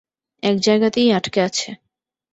একজায়গাতেই আটকে আছে।